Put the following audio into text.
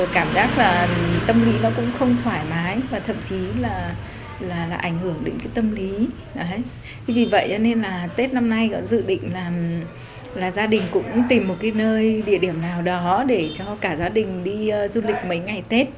cho nên là tết năm nay dự định là gia đình cũng tìm một cái nơi địa điểm nào đó để cho cả gia đình đi du lịch mấy ngày tết